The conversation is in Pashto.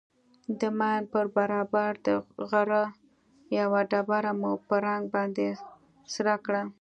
د ماين پر برابر د غره يوه ډبره مو په رنگ باندې سره کړه.